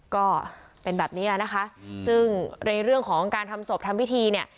ก็เป็นแบบนี้นะคะซึ่งในเรื่องของการทำศพทำพิธีเนี่ย